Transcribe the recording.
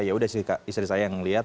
yaudah sih istri saya yang lihat